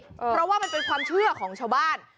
เพราะว่ามันเป็นความเชื่อของชาวบ้าน